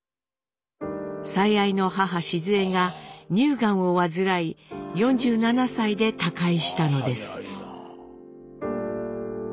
最愛の母シズエが乳がんを患い４７歳で他界したのです。